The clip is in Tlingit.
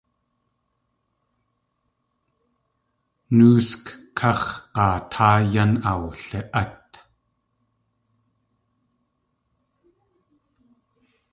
Nóosk káx̲ g̲aatáa yan awli.át.